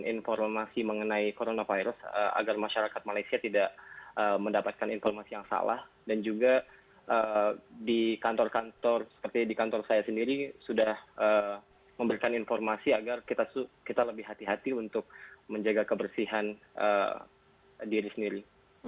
informasi mengenai coronavirus agar masyarakat malaysia tidak mendapatkan informasi yang salah dan juga di kantor kantor seperti di kantor saya sendiri sudah memberikan informasi agar kita lebih hati hati untuk menjaga kebersihan diri sendiri